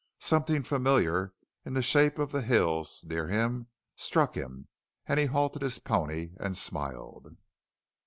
Something familiar in the shape of the hills near him struck him and he halted his pony and smiled.